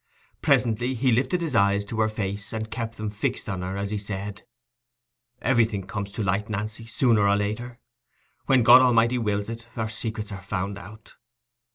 Presently he lifted his eyes to her face, and kept them fixed on her, as he said— "Everything comes to light, Nancy, sooner or later. When God Almighty wills it, our secrets are found out.